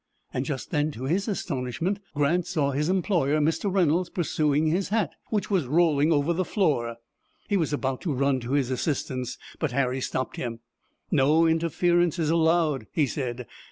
Just then, to his astonishment, Grant saw his employer, Mr. Reynolds, pursuing his hat, which was rolling over the floor. He was about to run to his assistance, but Harry stopped him. "No interference is allowed," he said.